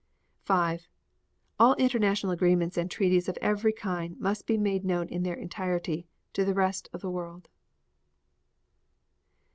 5. All international agreements and treaties of every kind must be made known in their entirety to the rest of the world.